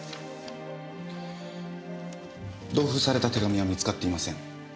同封された手紙は見つかっていません。